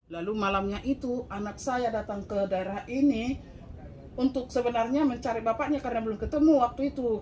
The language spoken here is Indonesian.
lalu malamnya itu anak saya datang ke daerah ini untuk sebenarnya mencari bapaknya karena belum ketemu waktu itu